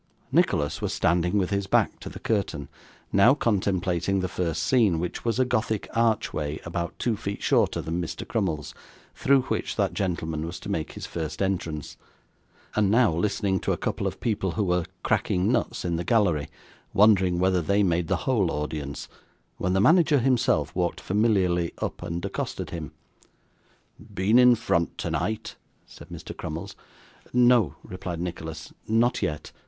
Nicholas was standing with his back to the curtain, now contemplating the first scene, which was a Gothic archway, about two feet shorter than Mr. Crummles, through which that gentleman was to make his first entrance, and now listening to a couple of people who were cracking nuts in the gallery, wondering whether they made the whole audience, when the manager himself walked familiarly up and accosted him. 'Been in front tonight?' said Mr. Crummles. 'No,' replied Nicholas, 'not yet.